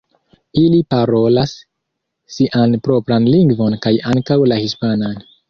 Ili parolas sian propran lingvon kaj ankaŭ la hispanan.